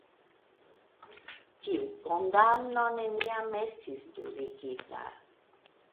Tiu kondamno neniam estis nuligita.